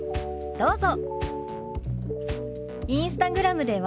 どうぞ。